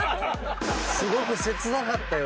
すごく切なかったよ